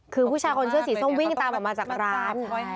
คือผู้ชายคนเสื้อสีส้มวิ่งตามออกมาจากร้าน